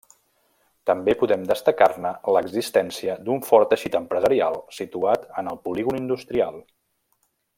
També podem destacar-ne l'existència d'un fort teixit empresarial situat en el polígon industrial.